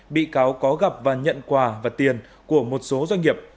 bị cáo có gặp và nhận quà và tiền của một số doanh nghiệp